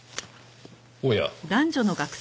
おや。